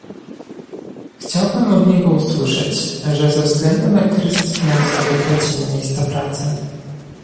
Chciałbym od niego usłyszeć, że ze względu na kryzys finansowy tracimy miejsca pracy